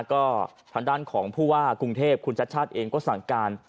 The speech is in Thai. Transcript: ก็ทางด้านของผู้ว่าคุณชัดเองก็สั่งการ